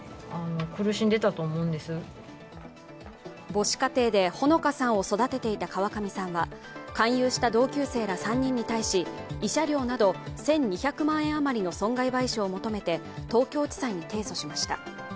母子家庭で穂野香さんを育てていた川上さんは勧誘した同級生ら３人に対し、慰謝料など１２００万円余りの損害賠償を求めて東京地裁に提訴しました。